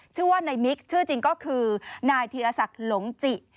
ชื่อว่านายมิกชื่อจริงก็คือนายธีรศักดิ์หลงจิ